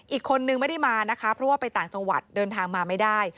อีกคนนึงไม่ได้มานะคะเพราะว่าไปต่างจังหวัดเดินทางมาไม่ได้